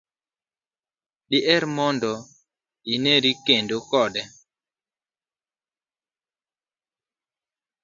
diher mondo ineri kode kendo?